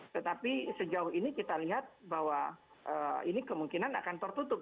tetapi sejauh ini kita lihat bahwa ini kemungkinan akan tertutup